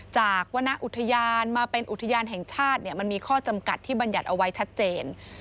วรรณอุทยานมาเป็นอุทยานแห่งชาติมันมีข้อจำกัดที่บรรยัติเอาไว้ชัดเจน